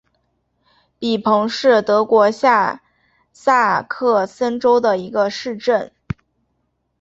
比彭是德国下萨克森州的一个市镇。